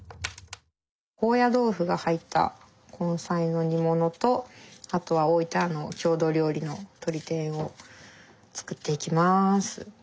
高野豆腐が入った根菜の煮物とあとは大分の郷土料理のとり天を作っていきます。